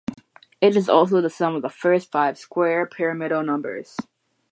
It is also the sum of the first five square pyramidal numbers.